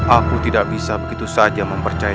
aku tidak bisa begitu saja mempercaya